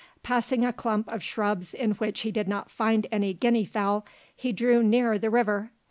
Passing a clump of shrubs in which he did not find any guinea fowl, he drew nearer the river.